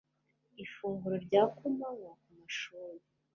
ifunguro rya ku manywa ku mashuri